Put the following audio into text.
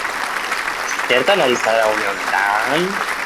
Zertan ari zara une honetan?